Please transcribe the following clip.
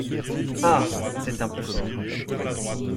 Ah ! c’est un peu fort…